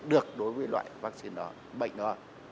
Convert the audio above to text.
được đối với loại vaccine đó bệnh đó